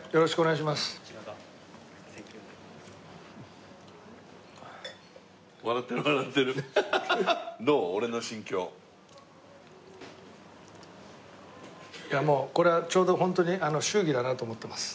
いやもうこれはちょうどホントに祝儀だなと思ってます。